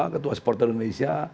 ketua supporter indonesia